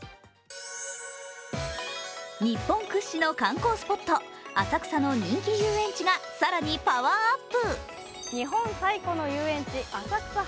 日本屈指の観光スポット、浅草の人気遊園地が更にパワーアップ。